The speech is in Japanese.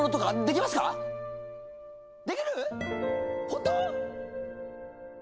本当！？